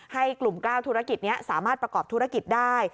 ให้กลุ่ม๙ธุรกิจนี้สามารถประกอบธุรกิจได้